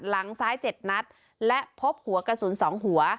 หลังซ้าย๗นัดและพบหัวกระสุน๒หัว